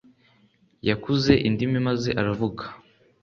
yakuze indimi maze aravuga